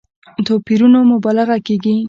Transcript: توپيرونو مبالغه کېږي.